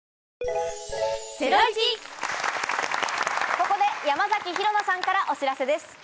ここで山崎紘菜さんからお知らせです。